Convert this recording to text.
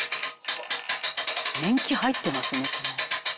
「年季入ってますね」